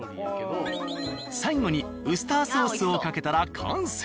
最後にウスターソースをかけたら完成。